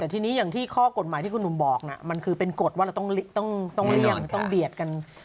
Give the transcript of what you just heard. แต่ทีนี้อย่างที่ข้อกฎหมายที่คุณหนุ่มบอกมันคือเป็นกฎว่าเราต้องเลี่ยงต้องเบียดกัน